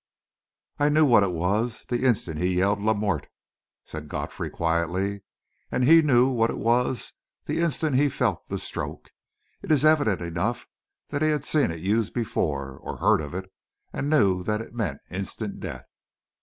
"I knew what it was the instant he yelled 'La mort!'" said Godfrey quietly. "And he knew what it was the instant he felt the stroke. It is evident enough that he had seen it used before, or heard of it, and knew that it meant instant death."